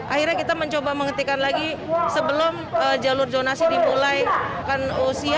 akhirnya kita mencoba menghentikan lagi sebelum jalur zonasi dimulai